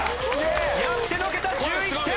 やってのけた１１点！